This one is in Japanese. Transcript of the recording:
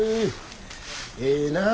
ええなあ